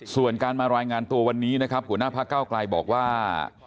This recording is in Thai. ส่วนการมารายงานตัววันนี้นะครับหัวหน้าพระเก้าไกลบอกว่า